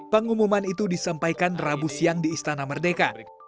pengumuman itu disampaikan rabu siang di istana merdeka